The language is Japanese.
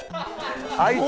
あいつ。